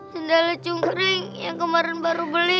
sindala cungkering yang kemarin baru beli